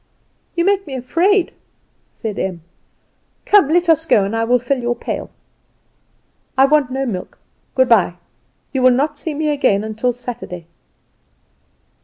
"You make me afraid," said Em. "Come, let us go, and I will fill your pail." "I want no milk. Good bye! You will not see me again till Saturday."